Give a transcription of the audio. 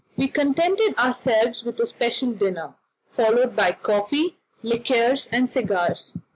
We contented ourselves with a special dinner, followed by coffee, liqueurs, and cigars.